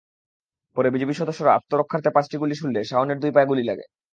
পরে বিজিবি সদস্যরা আত্মরক্ষার্থে পাঁচটি গুলি ছুড়লে শাওনের দুই পায়ে গুলি লাগে।